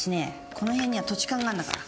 この辺には土地勘があんだから。